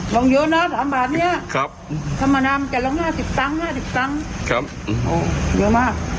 มองอยู่นะสำหรับนี้ครับทั้งมะนำจะลง๕๐ตังค์เยอะมาก